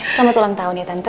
selamat ulang tahun ya tanta